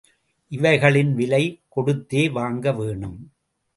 இவைகளை விலை கொடுத்தே வாங்க வேணும்.